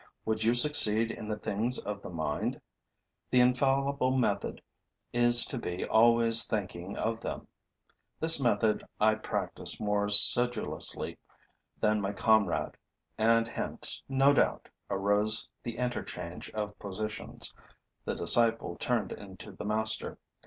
Would you succeed in the things of the mind? The infallible method is to be always thinking of them. This method I practiced more sedulously than my comrade; and hence, no doubt, arose the interchange of positions, the disciple turned into the master.